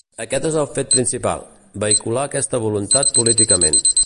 Aquest és el fet principal: vehicular aquesta voluntat políticament.